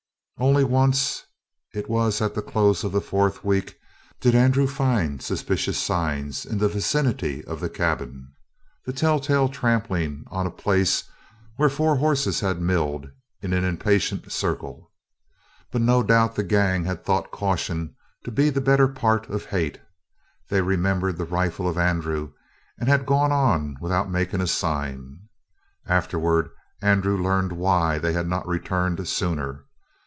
Only once it was at the close of the fourth week did Andrew find suspicious signs in the vicinity of the cabin the telltale trampling on a place where four horses had milled in an impatient circle. But no doubt the gang had thought caution to be the better part of hate. They remembered the rifle of Andrew and had gone on without making a sign. Afterward Andrew learned why they had not returned sooner.